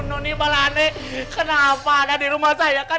nani bala nek kenapa ada di rumah saya kan